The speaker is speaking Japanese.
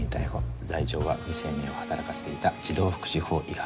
罪状は未成年を働かせていた児童福祉法違反。